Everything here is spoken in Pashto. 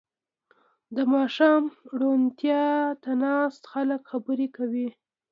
• د ماښام روڼتیا ته ناست خلک خبرې کولې.